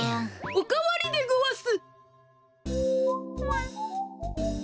おかわりでごわす！